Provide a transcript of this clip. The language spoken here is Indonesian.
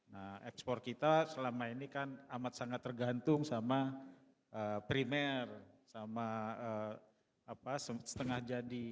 nah ekspor kita selama ini kan amat sangat tergantung sama primer sama setengah jadi